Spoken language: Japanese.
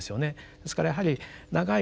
ですからやはり長い